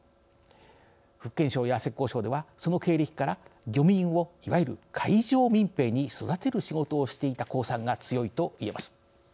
福建省や浙江省ではその経歴から、漁民をいわゆる海上民兵に育てる仕事をしていた公算が強いと言えます。